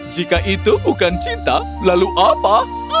jika itu bukan cinta lalu apa